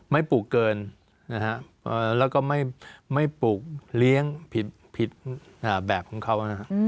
ไม่ปลูกเกินแล้วก็ไม่ปลูกเลี้ยงผิดแบบของเขา